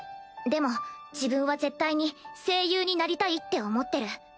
でも自分は絶対に声優になりたいって思ってる。